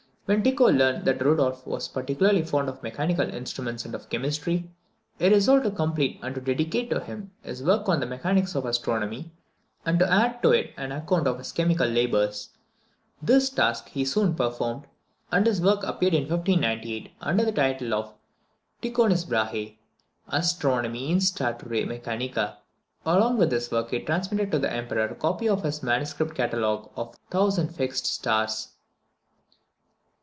When Tycho learned that Rudolph was particularly fond of mechanical instruments and of chemistry, he resolved to complete and to dedicate to him his work on the mechanics of astronomy, and to add to it an account of his chemical labours. This task he soon performed, and his work appeared in 1598 under the title of Tychonis Brahe, Astronomiæ instauratæ Mechanica. Along with this work he transmitted to the Emperor a copy of his MS. catalogue of 1000 fixed stars.